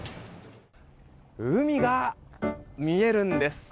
海が見えるんです！